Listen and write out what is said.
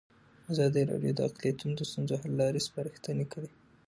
ازادي راډیو د اقلیتونه د ستونزو حل لارې سپارښتنې کړي.